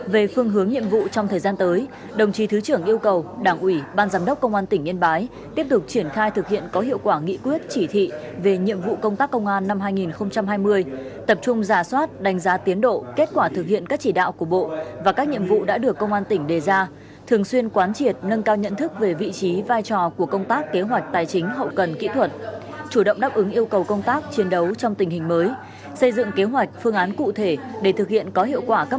về phương hướng nhiệm vụ trong thời gian tới đồng chí thứ trưởng yêu cầu đảng ủy ban giám đốc công an tỉnh yên bái tiếp tục triển khai thực hiện có hiệu quả nghị quyết chỉ thị về nhiệm vụ công tác công an năm hai nghìn hai mươi tập trung giả soát đánh giá tiến độ kết quả thực hiện các chỉ đạo của bộ và các nhiệm vụ đã được công an tỉnh đề ra thường xuyên quán triệt nâng cao nhận thức về vị trí vai trò của công tác kế hoạch tài chính hậu cần kỹ thuật chủ động đáp ứng yêu cầu công tác chiến đấu trong tình hình mới xây dựng kế hoạch